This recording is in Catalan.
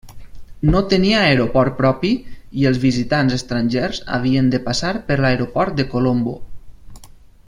No tenia aeroport propi i els visitants estrangers havien de passar per l'aeroport de Colombo.